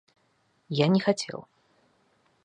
Я не хотел.